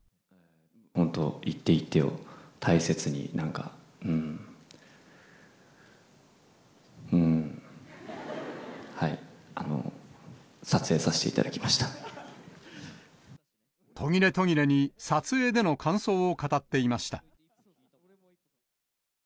本当、一手一手を大切に、なんか、うん、うーん、はい、撮影させて途切れ途切れに撮影での感想を語っていました。